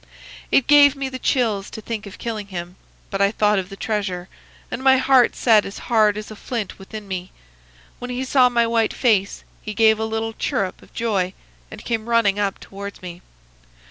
It gave me the chills to think of killing him, but I thought of the treasure, and my heart set as hard as a flint within me. When he saw my white face he gave a little chirrup of joy and came running up towards me.